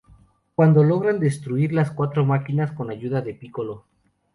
Cuando logran destruir las cuatro máquinas, con ayuda de Piccolo.